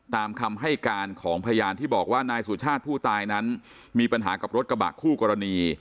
ตามคำให้การของพยานที่บอกว่านายสุชาติผู้ตายนั้นมีปัญหากับรถกระบะคู่กรณี